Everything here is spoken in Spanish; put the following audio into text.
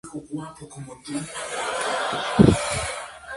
Existen diferentes estilos de canto.